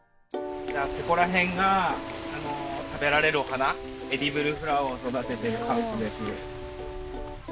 ここらへんが食べられるお花エディブルフラワーを育てているハウスです。